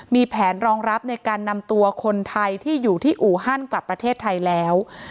มีแผนรองรับในการนำตัวคนไทยที่อยู่ที่อู่ฮั่นกลับประเทศไทยแล้ว